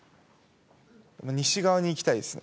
西側に行きたいですね。